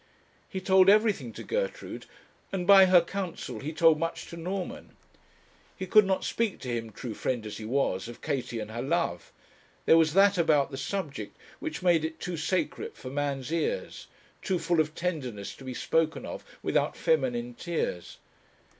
He told everything to Gertrude, and by her counsel he told much to Norman. He could not speak to him, true friend as he was, of Katie and her love. There was that about the subject which made it too sacred for man's ears, too full of tenderness to be spoken of without feminine tears.